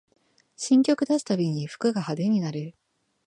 新曲出すたびに服が派手になる